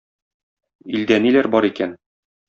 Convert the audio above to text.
Илдә ниләр бар икән?